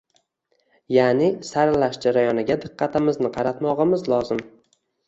ya’ni “saralash” jarayoniga diqqatimizni qaratmog‘imiz lozim.